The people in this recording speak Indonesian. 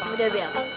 emang udah bel